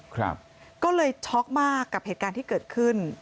ก็เลยช็อกมากกับเหตุการณ์ที่เกิดขึ้น